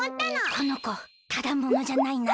このこただものじゃないな。